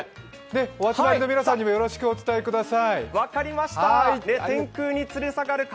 お集まりの皆さんにもよろしくお伝えください。